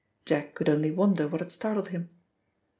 Jack could only wonder what had startled him.